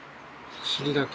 お尻だけ。